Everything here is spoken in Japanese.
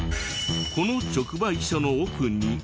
この直売所の奥に。